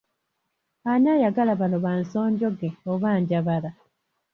Ani ayagala bano ba nsonjoge oba Njabala?